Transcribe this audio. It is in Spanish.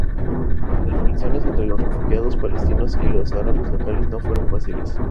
Las relaciones entre los refugiados palestinos y los árabes locales no fueron fáciles.